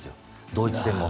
ドイツ戦も。